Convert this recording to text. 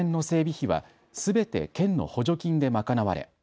費はすべて県の補助金で賄われ